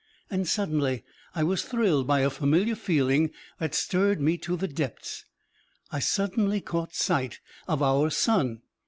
And suddenly I was thrilled by a familiar feeling that stirred me to the depths: I suddenly caught sight of our sun!